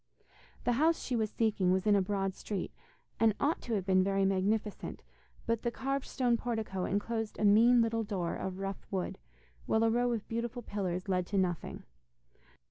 The house she was seeking was in a broad street, and ought to have been very magnificent, but the carved stone portico enclosed a mean little door of rough wood, while a row of beautiful pillars led to nothing.